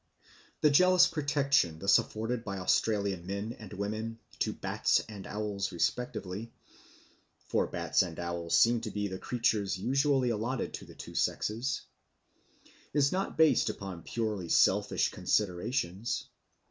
The jealous protection thus afforded by Australian men and women to bats and owls respectively (for bats and owls seem to be the creatures usually allotted to the two sexes) is not based upon purely selfish considerations.